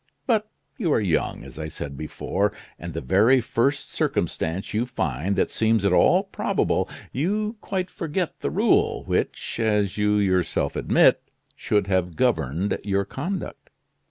But you are young, as I said before; and the very first circumstance you find that seems at all probable you quite forget the rule which, as you yourself admit, should have governed your conduct.